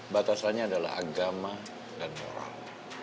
batasannya adalah agama dan moral